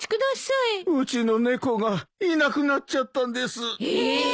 うちの猫がいなくなっちゃったんです。え！？